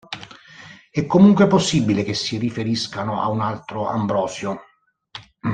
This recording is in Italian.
È comunque possibile che si riferiscano a un altro Ambrosio.